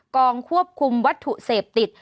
กองควบคุมวัตถุเสพติด